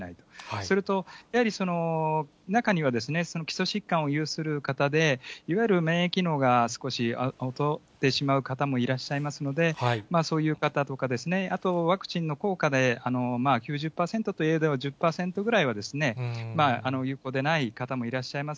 それと、やはり中にはですね、基礎疾患を有する方で、いわゆる免疫機能の少し劣ってしまう方もいらっしゃいますので、そういう方とかですね、あとワクチンの効果で、９０％といえども１０％ぐらいはですね、有効でない方もいらっしゃいます。